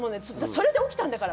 それで起きたんだから。